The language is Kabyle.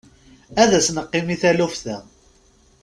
Ad as-neqqim i taluft-a.